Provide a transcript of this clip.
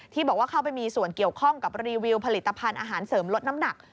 บอกว่าเข้าไปมีส่วนเกี่ยวข้องกับรีวิวผลิตภัณฑ์อาหารเสริมลดน้ำหนัก